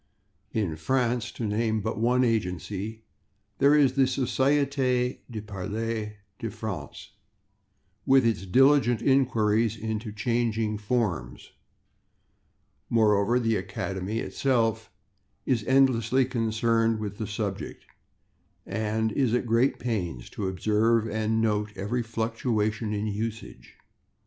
In France, to name but one agency, there is the Société des Parlers de France, with its diligent inquiries into changing forms; moreover, the Académie itself is endlessly concerned with the [Pg005] subject, and is at great pains to observe and note every fluctuation in usage.